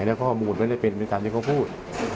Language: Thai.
และข้อมูลไม่ได้เป็นไปตามที่เขาพูด